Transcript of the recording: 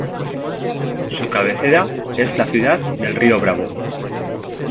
Su cabecera es la ciudad de Río Bravo.